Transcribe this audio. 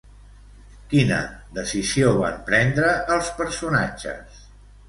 Quina decisió van prendre els personatges?